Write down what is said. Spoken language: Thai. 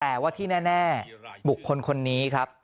แต่ว่าที่แน่บุคคลคนนี้ครับ